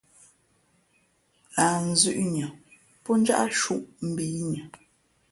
Lah nzʉ̄ʼ nʉα pó njáʼ shūʼ mbǐnʉα.